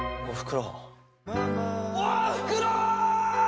おふくろ！